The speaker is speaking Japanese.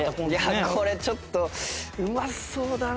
これちょっとうまそうだな！